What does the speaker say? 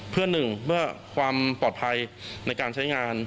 เพื่อหนึ่งเพื่อความปลอดภัยในการใช้งาน